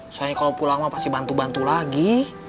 soalnya kalau pulang mah pasti bantu bantu lagi